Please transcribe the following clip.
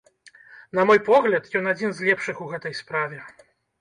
На мой погляд, ён адзін з лепшых у гэтай справе.